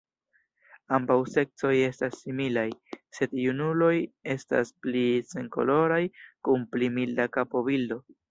Ambaŭ seksoj estas similaj, sed junuloj estas pli senkoloraj kun pli milda kapobildo.